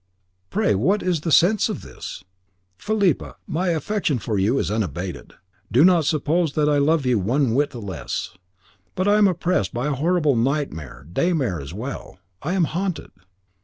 "Pray what is the sense of this?" "Philippa, my affection for you is unabated. Do not suppose that I love you one whit the less. But I am oppressed by a horrible nightmare daymare as well. I am haunted."